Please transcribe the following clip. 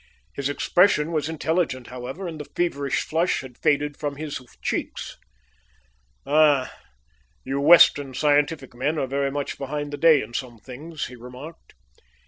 His expression was intelligent, however, and the feverish flush had faded from his cheeks. "Ah, you Western scientific men are very much behind the day in some things," he remarked.